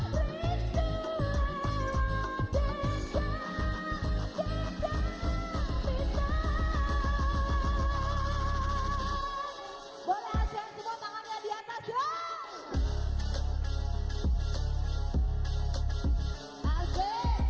boleh asean semua tangannya di atas ya